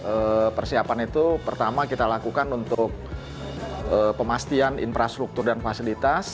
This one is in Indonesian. jadi persiapan itu pertama kita lakukan untuk pemastian infrastruktur dan fasilitas